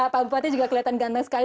pak bupati juga kelihatan ganteng sekali